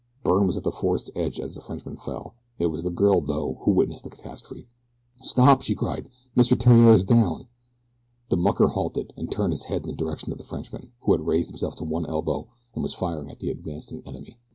Byrne was at the forest's edge as the Frenchman fell it was the girl, though, who witnessed the catastrophe. "Stop!" she cried. "Mr. Theriere is down." The mucker halted, and turned his head in the direction of the Frenchman, who had raised himself to one elbow and was firing at the advancing enemy.